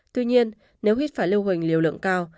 tuy nhiên nếu hít phải lưu huỳnh liều lượng cao